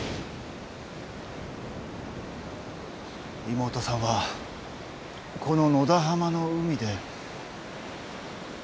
妹さんはこの野田浜の海で。